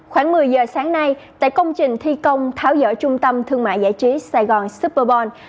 khoảng một mươi giờ sáng nay tại công trình thi công tháo dỡ trung tâm thương mại giải trí sài gòn superbon